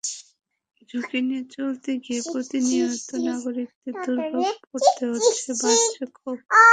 ঝুঁকি নিয়ে চলতে গিয়ে প্রতিনিয়ত নাগরিকদের দুর্ভোগে পড়তে হচ্ছে, বাড়ছে ক্ষোভ।